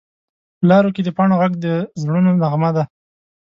په لارو کې د پاڼو غږ د زړونو نغمه ده